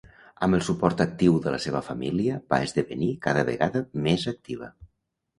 Amb el suport actiu de la seva família va esdevenir cada vegada més activa.